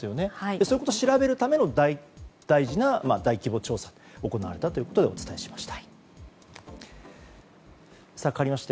そういうことを調べるための大事な大規模調査が行われたということでお伝えしました。